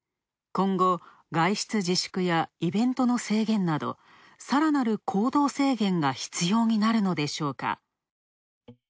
今後、外出自粛やイベントの制限などさらなる行動制限が必要になるのでしょうか。